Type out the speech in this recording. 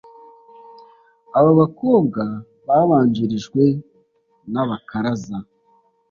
Aba bakobwa babanjirijwe n’abakaraza